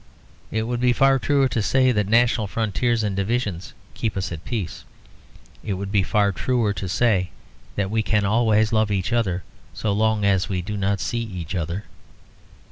It would be far truer to say that national frontiers and divisions keep us at peace. It would be far truer to say that we can always love each other so long as we do not see each other.